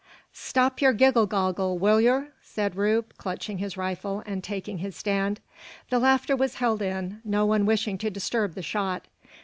"Stop yur giggle goggle, wull yur!" said Rube, clutching his rifle, and taking his stand. The laughter was held in, no one wishing to disturb the shot.